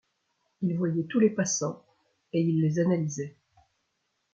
Il voyait tous les passants et il les analysait.